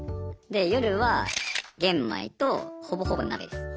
で夜は玄米とほぼほぼ鍋です。